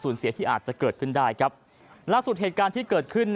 ล่าสุดเหตุการณ์ที่เกิดขึ้น